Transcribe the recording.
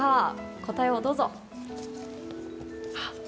答えをどうぞ。